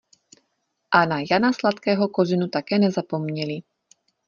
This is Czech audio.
A na Jana Sladkého Kozinu také nezapomněli.